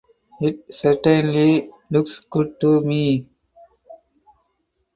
It certainly looks good to me.